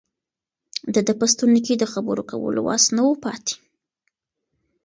د ده په ستوني کې د خبرو کولو وس نه و پاتې.